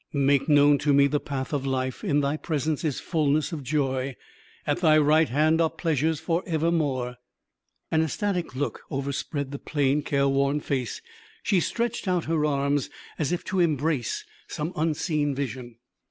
"Make known to me the path of life; in Thy presence is fulness of joy; at Thy right hand are pleasures for evermore." An ecstatic look overspread the plain, careworn face, she stretched out her arms as if to embrace some unseen vision.